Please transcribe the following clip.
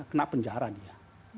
kena penjara dia